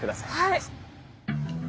はい。